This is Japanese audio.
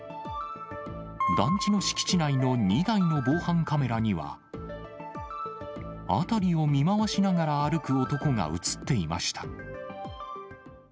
団地の敷地内の２台の防犯カメラには、辺りを見回しながら歩く男が写っていました。